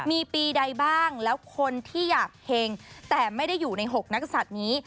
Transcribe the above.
มีปีใดบ้างแล้วคนที่อยากเห็งแต่ไม่ได้อยู่ใน๖นักศัตริย์นี้